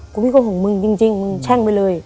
กูไม่คงขูนของมึงจริงมึงแช่งไปเลย